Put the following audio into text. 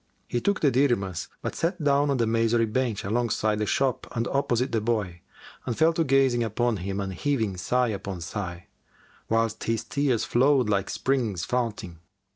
He took the dirhams, but sat down on the masonry bench alongside the shop and opposite the boy and fell to gazing upon him and heaving sigh upon sigh, whilst his tears flowed like springs founting.